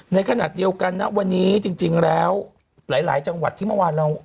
ในขณะเดียวกันนะวันนี้จริงแล้วหลายจังหวัดที่เมื่อวานเรา